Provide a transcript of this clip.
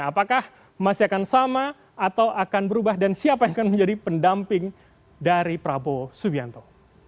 apakah masih akan sama atau akan berubah dan siapa yang akan menjadi pendamping dari prabowo subianto